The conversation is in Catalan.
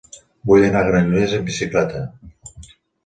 Vull anar a Granollers amb bicicleta.